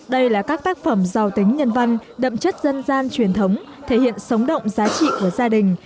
đây là các tác phẩm giàu tính nhân văn đậm chất dân gian truyền thống thể hiện sống động giá trị của gia đình